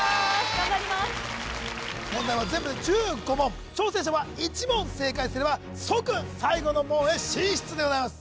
頑張ります問題は全部で１５問挑戦者は１問正解すれば即最後の門へ進出でございます